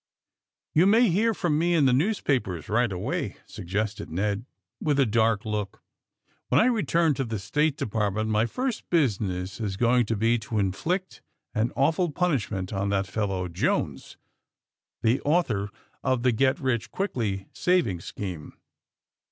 You may hear from me in the newspapers, right away," suggested Ned, with a dark look, ^'WTien I return to the State Department my first business is going to be to inflict an awful punishment on that fellow Jones, the author of the get rich quickly savings scheme.